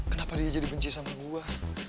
kenapa dia jadi benci sama gua